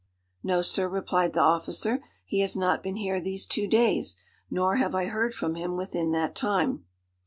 "No, Sir," replied the officer, "he has not been here these two days, nor have I heard from him within that time."